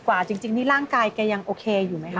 กว่าจริงนี่ร่างกายแกยังโอเคอยู่ไหมค